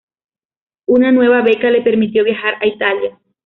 Una nueva beca le permitió viajar a Italia.